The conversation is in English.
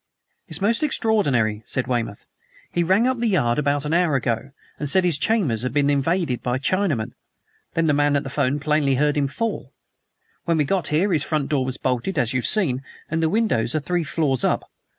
"It's most extraordinary," said Weymouth. "He rang up the Yard about an hour ago and said his chambers had been invaded by Chinamen. Then the man at the 'phone plainly heard him fall. When we got here his front door was bolted, as you've seen, and the windows are three floors up.